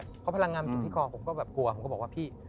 เพราะพลังงานมันอยู่ที่คอผมก็แบบกลัวผมก็บอกว่าพี่